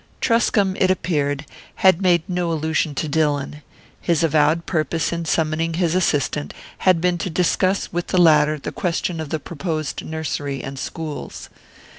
Truscomb, it appeared, had made no allusion to Dillon; his avowed purpose in summoning his assistant had been to discuss with the latter the question of the proposed nursery and schools.